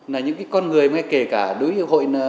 là những cái con người mà kể cả đối với hội